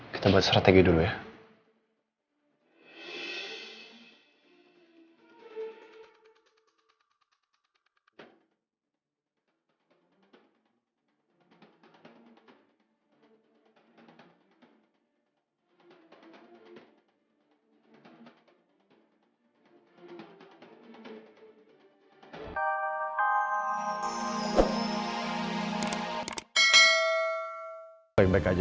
kita buat strategi dulu ya